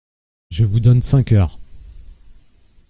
Je vous donne cinq heures !